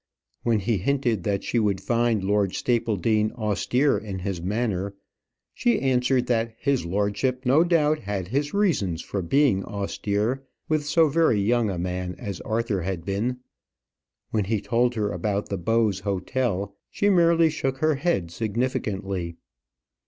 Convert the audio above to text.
When he hinted that she would find Lord Stapledean austere in his manner, she answered that his lordship no doubt had had his reasons for being austere with so very young a man as Arthur had been. When he told her about the Bowes hotel, she merely shook her head significantly.